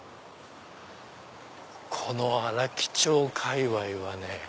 この荒木町かいわいはね